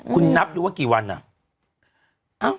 คุณนับดูว่ากี่วันอ่ะ